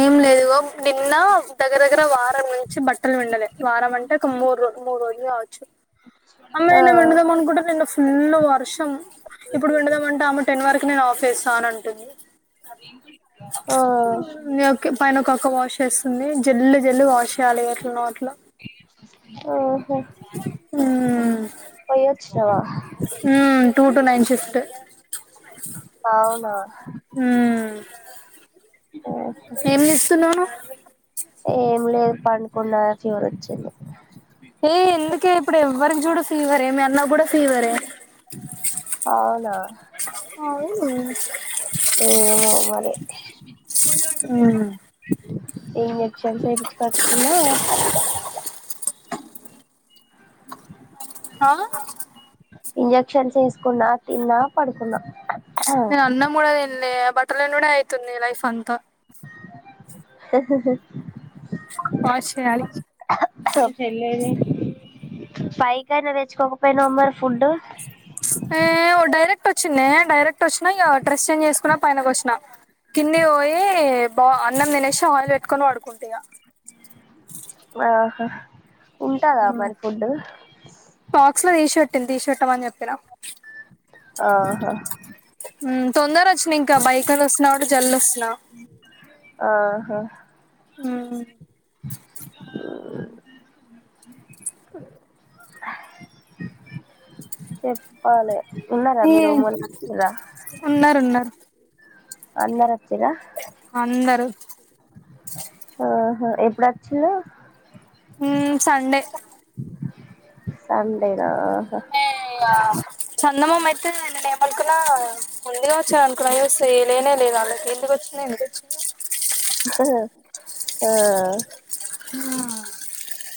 ఏం లేదు నిన్న దగ్గర దగ్గర వారం నుంచి బట్టలు పిండాలే వారం అంటే ఒక మూడు రోజ మూడు రోజులు కావచ్చు అన్ని ఆ అయినాక పొందుదాం ఆ [unintelligible] ఫుల్లు వర్షం ఇప్పుడు విండుదామంటే అము టెన్ వర్ ఇ నేను ఆఫేసా అని అంటుంది ఆ ఓకే పైన ఒక అక్క వాష్ చేస్తుంది జల్లి జల్లి వాష్ చేయాలి ఎట్ల నో అట్లా ఉ హు వచ్చినవా [inaudible] టూ టు నైన్ షిఫ్ట్ అవునా? ఆహా. ఏం చేస్తున్నావు నువ్వు ఏం లేదుపడుకునా ఫీవర్ వచ్చింది ఏ ఎందుకే ఇప్పుడు ఎవ్వరికి చూడు ఫీవరే మీ అన్న కూడా ఫీవరే అవునా? అవును ఏ అశ్విని కోడెక్కడి నుంచి తెచ్చావ్ ఏం లేదు చెక్ చేయపీచు కోచుకున్న బస్సు సౌండ్ హా ఇంజక్షన్స్ వేసుకున్నా తిన్నా పడుకున్నా నేను అన్నం కూడా తినలే బట్టలు [unintelligible] అయితుంది లైఫ్ అంత నవ్వు వాష్ చేయాలి మీ చెల్లి ఏది పై కన్నా తెచ్చుకోకపోయ్యేనావు మరి ఫుడ్ డైరెక్ట్ వచ్చినే డైరెక్టర్ వచ్చిన వచ్చిందే డ్రెస్ చేంజ్ చేసుకున్నా పైనకి వచ్చినా కింది పోయి బా అన్నం తినేసి ఆయిల్ పెట్టుకొని పడుకుంటా ఇక ఆహా ఉంటాదా మరి ఫుడ్? బాక్స్ లో తీసి పెట్టింది తీసి పెట్టమని చెప్పినా ఆహా మ్మ్ తొందర ఇంకా బైకు అని వస్తున్నా కాబట్టి జల్దీ వస్తున్న మ్మ్ చెప్పాలే ఉన్నారా మీరు మొన్న ఉన్నట్టుగా ఉన్నారు ఉన్నారు అందరం అందరు ఆహ ఎప్పుడు అచ్చిండు? హ్మ్మ్ సండే సన్ [unintelligible] గా ఆహా ఈమె చందమామ అయితే నేనేమనుకున్నా ముందుగా వచ్చా అనుకున్నా యూస్ చేయ్ లేనేలేదు ఆళ్లకి ఎందుకొచ్చిందో ఎందుకొచ్చిందొ. ఆ ఆ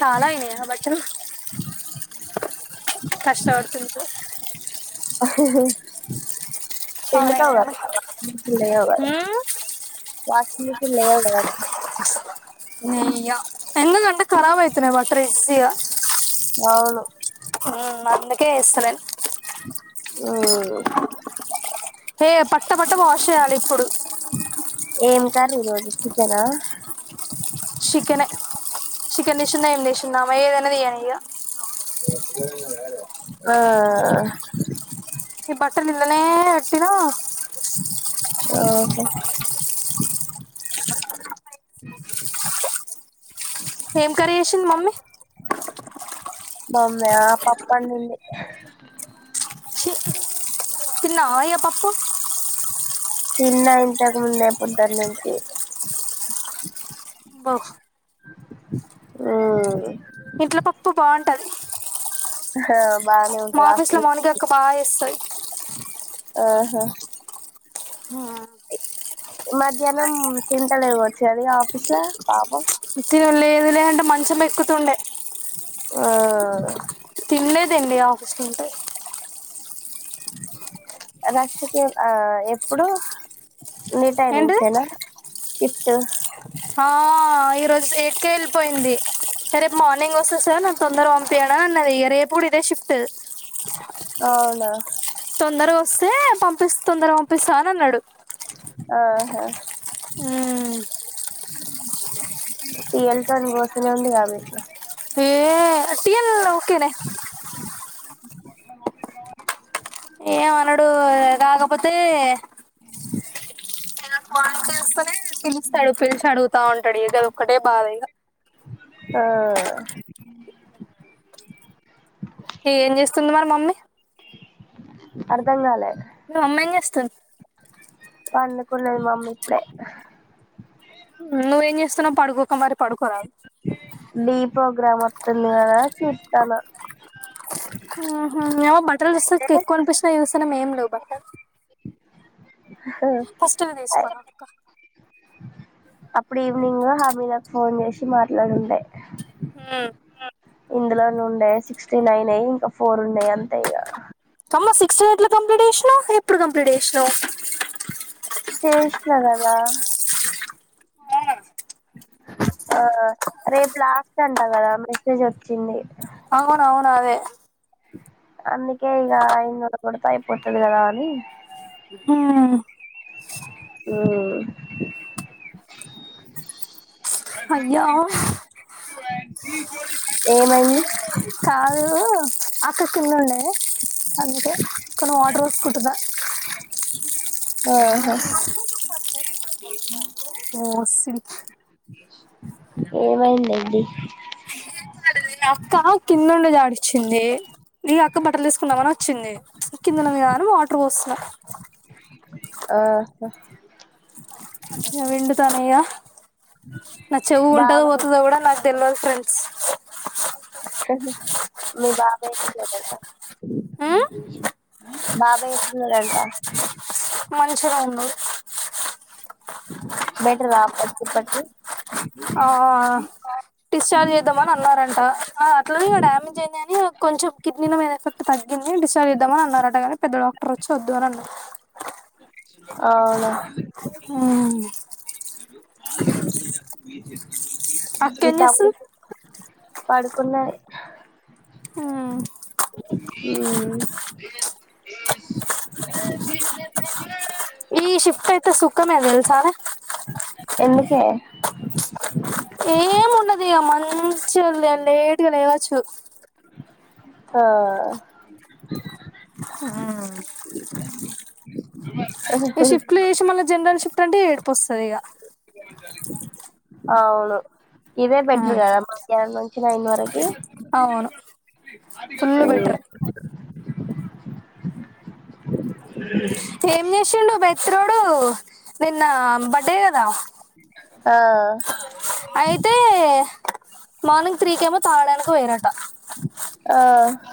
చాలా అయినయా బట్టలు? కష్టపడుతుంది అహ్హ్హ్ చాలా పిండుతావు అయినాయా గ [inaudible] లేవు గద. ఉమ్, వాషింగ్ మిషన్ లెయ్యాలి కదా. నె ఎయ్య ఎందుకంటే ఖరాబ్ అయితనై బట్టలు ఇజ్సీగా. అవును [unintelligible] కే ఏస్తలే. ఆ హే పట్టపట్ట వాష్ చేయాలి ఇప్పుడు. కర్రి ఈరోజు చికెనా? చికెనే, చికెన్ చేషిందో ఎం చేషిందో ఆమె ఏదన్న తీయనీ ఇగ. ఆ ఆహ్ ఈ బట్టలు నిన్ననే ఎట్టినా ఆహ ఏం కర్రీ ఏషింది మమ్మి? మామ్మే ఆ పప్పండింది. తిన్నవా, ఏ పప్పు? తిన్నా ఇంతకు ముందే పొద్దన్నుంచీ. బాహ్ ఆ ఇంట్లో పప్పు బోన్ టది హా మా ఆఫీస్ లో మౌనిక అక్క బా చేస్తది. ఆహ ఆ మధ్యాహ్నం తింటలే వచ్చి అది ఆఫీస్ లో పాపం. మిర్చీలు లేదులే అంటె మంచం ఎక్కుతుండె. ఆ తినలేదండి ఆఫస్ లో ఉంటే. రక్షకే ఆ ఎప్పుడు? నీ ఏంటిది టైమింగ్స్ ఏనా? చిట్ట్ ఆ ఈరోజు ఏయిట్ కే ఎలిపోయింది. రేపు మార్నింగ్ వస్తా సార్ నాకు తొందరగ పంపీయరా అన్నది. ఇగ రేపు గుడా ఇదే షిఫ్ట్. అవునా తొందరగ ఒస్తే పంపిస్ తొందరగ పంపిస్తానన్నడు. ఆహా మ్మ్ ఈళ్ళ్ తోన్ గోసమ ఉంద కాదు ఆ సి ఎం ను క్కరే న ఏమ అనడు కాకపోతే కా నాకు ఫన్ చేస్తనే పిలుస్తాడు పిలిచి అడుగుతా ఉంటాడు ఇదోక్కటే బాధ ఇగ ఆ ఏం చేస్తుంది మరి మమ్మీ అర్ధం కాలే మమ్మీ ఏం చేస్తుంది పన్నుకున్నది మమ్ ఇప్పుడే నువ్వేం చేస్తున్నావు పడుకోక మరి పడుకోరాదు డీ ప్రోగ్రామ్ వత్తుంది కదా చూస్తన ఆహా యా పస్ ఎక్కువ అనిపించిన యవసనం ఏం లేవు బట్ట ఫస్ట్ మీ తీసుకోర అక్క అప్పుడు ఈవినింగ్ హమీదాకు ఫోన్ చేసి మాట్లాడుండే మ్మ్ ఇందులో నుండే సిక్స్టీన్ అయినాయి ఇంకా ఫోర్ ఉండే అంతే ఇక అమ్మో సిక్స్ట్ ఎయిట్ లో కంప్లీట్ చేసినా ఎప్పుడు కంప్లీట్ చేసినా చేసిన కదా ఆ రేప్ లాస్ట్ టంట కదా మెసేజ్ వచ్చింది అవును అవునదే అందుకే ఇగ ఇన్న కొడత అయిపోతది కదా అని మ్మ్ మ్మ్ అయ్యా ఏమైంది కాదు అక్క కిందుండే అందుకే కాను వాటర్ వస్తుంటుంద ఆహా [unintelligible] మో సిరి ఏమైంది ఏంది నీ అక్క కింద ఉండి అడిచింది నీ అక్క బట్టలు తీసుకున్నామని వచ్చింది కిందుంది కదా అని వాటర్ పోస్తున్నా ఆహా గా విండుతానే నా చెవు ఉంటదొ, బాబాయ్ ఓతుదా కూడా నాకు తెల్వద్ ఫ్రెండ్స్. మీ బాబాయీ ఎట్లా ఉన్నాడంట. మ్మ్ బాబాయీ ఎట్లా ఉన్నాడంట. మంచిగానే ఉన్నాడు. బెటర్ ఆ అప్పటికి ఇప్పటికీ, ఆహా డిశ్చార్జ్ చేద్దామని అన్నారంట అట్లో ఇక డామేజ్ అయింది. అని కొంచెం కిడ్నీల మీద ఎఫెక్ట్ తగ్గింది. డిస్టచార్జ్ చేద్దామని అన్నారటగానీ. పెద్దోడా. ప్రచ్ఛదు అన్నది అవునా ఉమ్ వి జిస్ [unintelligible] మీ తమ్ముడు పడుకున్నది. ఆ ఉమ్ ఈ షిఫ్ట్ అయితే సుఖమ తెల్సారా ఎందుకే ఏం ఉండదు ఇక మంచిగా లేటుగా లేవచ్చు. ఆ [unintelligible] [unintelligible] ఈ షిఫ్ట్ లో చేసి మళ్ళ జనరల్ షిఫ్ట్ అంట ఏడిపోస్త సరే ఇగ అవును. ఇదే బెటర్ కదా మధ్యాహ్నం నుంచి. నైన్ వరకి, అవును ఫుల్ ఉమ్ బెటర్ ఉమ్ ఏం చేసిండు బిత్రోడు నిన్న బర్డే కదా. ఆ అయితే మార్నింగ్ త్రీకేమో తాగడానికి. పోయిర ఆ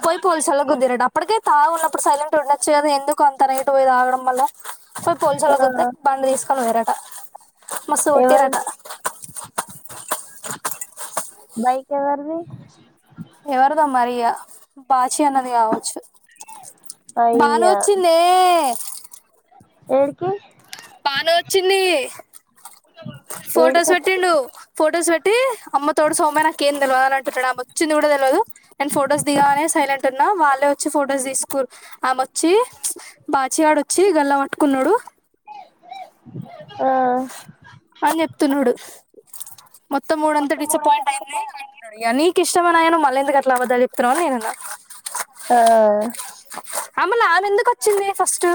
పోయి పోలీసోలకి గుద్దిరాట అప్పడికే, తాగి ఉన్నప్పుడు సైలెంట్ ఉండొచ్చు కాదా ఎందుకు అంత నైట్ పోయి తాగడం మళ్ళ. పోయి పోలిసోలకి ఆ గుద్దితే బండి తీస్కొని పోయిరట. మస్తు కొట్టిరాట. ఎవరిది బైక్ ఎవరిది. ఎవరిదో మరి ఇగా బాచి అన్నది కావచ్చు బాను అయ్యా వచ్చిందే. ఎడ్కి బాను ఒచ్చింది. ఫొటోస్ ఏడికి పెట్టిండు ఫొటోస్ పెట్టి అమ్మ తోడు సౌమ్య నాకేం తెల్వాలంటే ప్రడమ్యూట్ వచ్చింది కూడా తెలవద నేను ఫొటోస్ దిగానే సైలెంట్ ఉన్నా వాళ్ళే వచ్చి ఫొటోస్ తీసుకురు ఆమె వచ్చి బాచివాడ వచ్చి గల్లా పట్టుకున్నాడు. ఆ అన్ని చెప్తున్నాడు. మొత్తం మూడ్ అంత డిసప్పాయింట్ అయింది అంటున్నాడు, ఇగా నీకు ఇష్టం అయన మళ్ళ ఎందు అట్లా అబద్దాలు చెప్, త్ర వెళన ఆ అమ్మలామె ఎందుకు వచ్చింది ఫస్ట్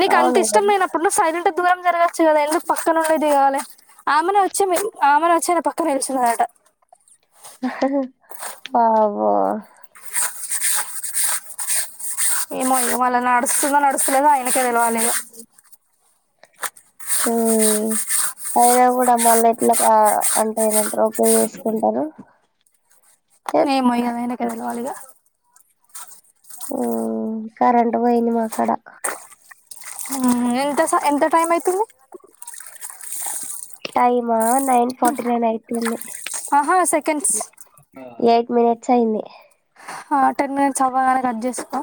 నీకు అంత అవును ఇష్టం కదా లేనప్పుడు నువ్వు సైలెంట్ దూరం జరగచ్చు కదా ఎందుకు పక్కనే ఉండి దిగలే, ఆమెనే వచ్చి ఆమె వచ్చి పక్కన నిల్చునదంట, అవో ఏమో వాళ్ళ నడుస్తుందో నడుస్తలేదో ఆయనకే తెలవాలే ఇగా, ఉ అయినా కూడా మళ్ళ ఎట్లా అంటే ఏమంటారు ఎట్లా చేసుకుంటారు. చెప్ ఏమో ఇగా అది ఆయనకే తెలవాలి ఇగా, కరెంట్ పోయింది, మాక్కడ ఎంత ఎంత టైమ్ అయితుంది, టైమా నైన్ ఫార్టీ నైన్ అయితుంది, ఆహా సెకండ్స్ ఏయిట్ మినిట్స్ అయింది. ఆ టెన్ మినిట్స్ అవ్వగానే కట్ చేస్కో,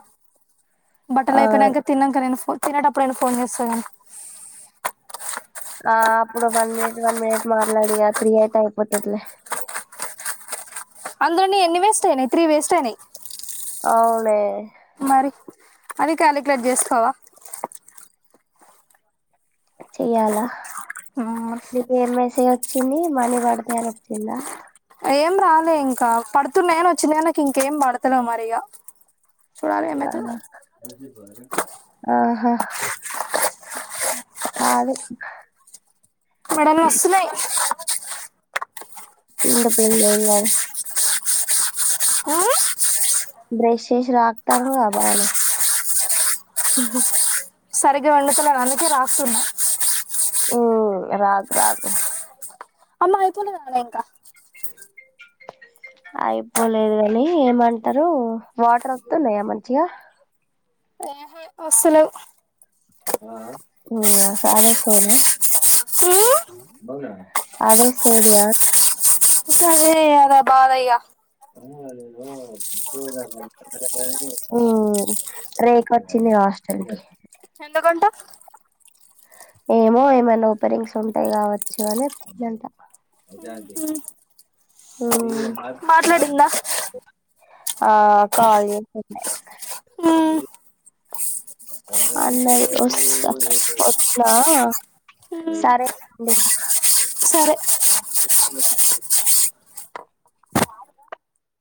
బట్టలు ఆ అయిపోయినాకా తిన్నాంక నేను ఫో తినేటప్పుడు అయినా ఫోన్ చేస్తా కానీ ఆ అప్పుడు వన్ మినిట్ వన్ మినిట్ మట్లాడు ఇగా త్రీ అయితే అయిపోతాయిలే, అందులోను ఎన్ని వేస్ట్ అయినాయి త్రీ వేస్ట్ అయినాయి. అవునే మరి అది కాలిక్యులేట్ చేసుకోవా చెయాలా మ్మ్. నీకు వినిపిస్ వచ్చిది మని పడతాయాన్ని వచ్చిందా, ఏం రాలేదు ఇంకా పడుతున్నాయని వచ్చింది. నాకు ఇంకేం పడతలే మరిగా సరే లే ఆహా కాదు మెడలు నొస్తున్నాయి. పిండి పిండు ఎం కాదు ఆ బ్రెష్ ఎశి రాక్తందిగా బానే ఉహ సరిగా పిండుతున్న అందుకే రాక్తున్న, ఉ రాక్ రాక్ మైయిఅయిపోయినా ఇంకా అయిపోలేద్ గనీ ఏమంటరూ వాటర్ ఒత్తున్నయా మంచిగా ఒస్సలేవ్ సాదే సోలే మ్ అదె సూర్యా గదే అద బాద ఇగా ఊ రేక్ ఒచ్చింది గా హాస్టల్ కి ఎందుకంట ఏమో ఏమైనా ఓపెనింగ్స్ ఉంటాయి కావచ్చు అని ఒచ్చిందంట అదే అదే ఆ మా మా మాట్లాడిందా ఆ కాల్ అన్నది ఒస్స ఒస్సా సరే సరే